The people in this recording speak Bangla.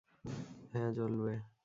হ্যাঁ, জ্বলবে।